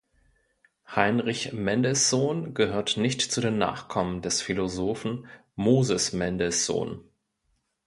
Heinrich Mendelssohn gehört nicht zu den Nachkommen des Philosophen Moses Mendelssohn.